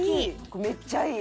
「めっちゃいい！」